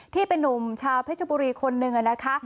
ที่เป็นนุ่มชาวเพชรบุรีคนหนึ่งนะคะ